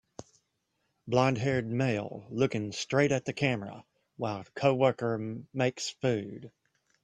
Blondhaired male looking straight at the camera while coworker makes food.